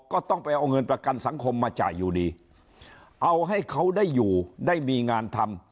ก็ต้องไปเอาเงินประกันสังคมมาจ่ายอยู่ดีเอาให้เขาได้อยู่ได้มีงานทำ